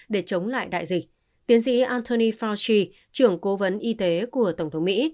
để chống lại đại dịch tiến sĩ anthony fauci trưởng cố vấn y tế của tổng thống mỹ